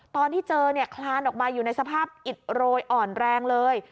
ตอนที่เจอเนี่ยคลานออกมาอยู่ในสภาพอิดโรยอ่อนแรงเลย